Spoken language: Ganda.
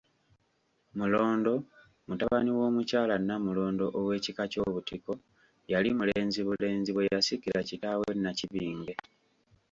MULONDO mutabani w'Omukyala Nnamulondo ow'ekika ky'Obutiko, yali mulenzi bulenzi bwe yasikira kitaawe Nnakibinge.